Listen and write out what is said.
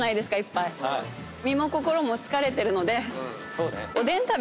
身も心も疲れてるので。